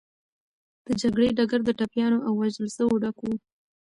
د جګړې ډګر د ټپيانو او وژل سوو ډک و.